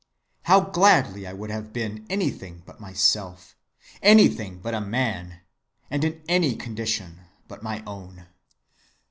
How gladly would I have been anything but myself! Anything but a man! and in any condition but my own."